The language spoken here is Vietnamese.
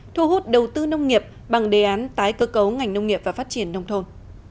thu hút đầu tư nông nghiệp bằng đề án tái cơ cấu ngành nông nghiệp và phát triển nông thôn